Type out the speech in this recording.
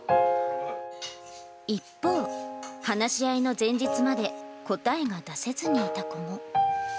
一方、話し合いの前日まで、答えが出せずにいた子も。